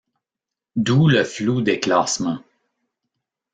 D'où le flou des classements.